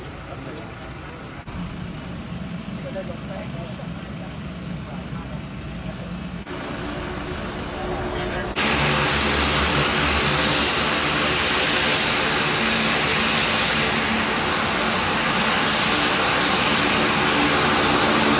สุดท้ายสุดท้ายสุดท้าย